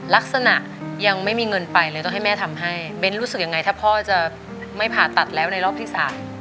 ลักษณะยังไม่มีเงินไปเลยต้องให้แม่ทำให้เบ้นรู้สึกยังไงถ้าพ่อจะไม่ผ่าตัดแล้วในรอบที่สาม